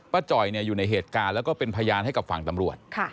จ่อยอยู่ในเหตุการณ์แล้วก็เป็นพยานให้กับฝั่งตำรวจ